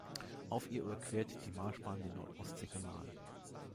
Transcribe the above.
Auf ihr überquert die Marschbahn den Nord-Ostsee-Kanal.